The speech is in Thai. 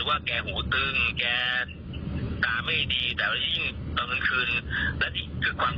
อาทิตย์ตั้ง๕ทุ่มก็จะเป็นการที่มีตัวทีมาเรียกทำไมไม่มารับ